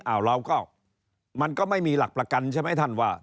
เราก็มันก็ไม่มีหลักประกันใช่ไหมท่านว่า